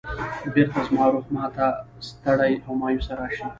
بېرته زما روح ما ته ستړی او مایوسه راشي.